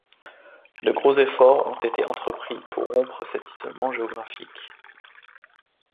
De gros efforts ont été entrepris pour rompre cet isolement géographique.